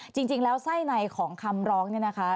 จริงแล้วไส้ในของคำร้องเนี่ยนะคะ